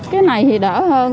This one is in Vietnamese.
cái này thì đỡ hơn